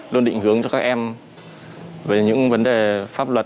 luôn định hướng cho các em về những vấn đề pháp luật